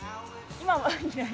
今はいない。